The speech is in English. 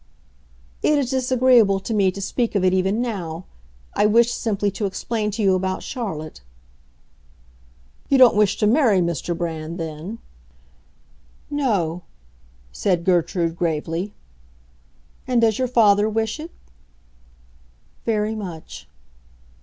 "It is disagreeable to me to speak of it even now. I wished simply to explain to you about Charlotte." "You don't wish to marry Mr. Brand, then?" "No," said Gertrude, gravely. "And does your father wish it?" "Very much."